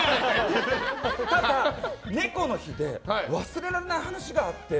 ただ、猫の日で忘れられない話があって。